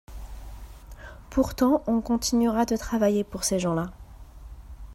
Pourtant on continuera de travailler pour ces gens-là.